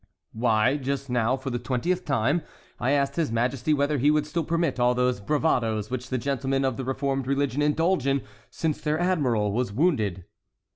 "Why, just now, for the twentieth time, I asked his Majesty whether he would still permit all those bravadoes which the gentlemen of the reformed religion indulge in, since their admiral was wounded."